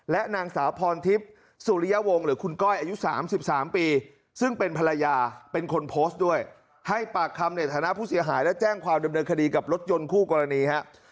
และนางสาวพรทิพย์สุริยวงศ์หรือคุณก้อยอายุ๓๓ปีซึ่งเป็นภรรยาเป็นคนโพสต์ด้วยให้ปากคำในฐานะผู้เสียหายและแจ้งความดำเนินคดีกับรถยนต์คู่กรณีฮะ